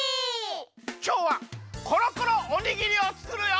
きょうはコロコロおにぎりをつくるよ！